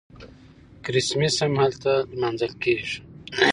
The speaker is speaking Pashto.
کریسمس هم هلته لمانځل کیږي.